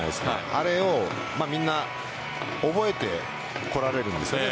あれをみんな覚えてこられるんですよね